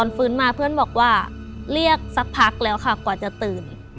ฟื้นมาเพื่อนบอกว่าเรียกสักพักแล้วค่ะกว่าจะตื่น